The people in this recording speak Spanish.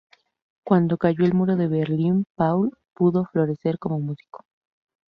Cuando cayó el Muro de Berlín Paul pudo florecer como músico.